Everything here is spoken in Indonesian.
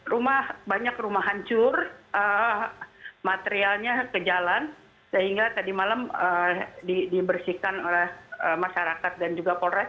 rumah banyak rumah hancur materialnya ke jalan sehingga tadi malam dibersihkan oleh masyarakat dan juga polres